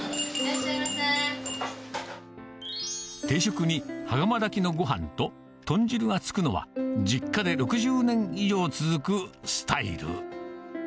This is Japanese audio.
定食に羽釜炊きのごはんと、豚汁が付くのは、実家で６０年以上続くスタイル。